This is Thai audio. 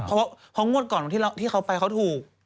เพราะงวดก่อนที่เขาไปเขาถูก